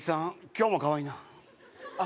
今日もかわいいなあ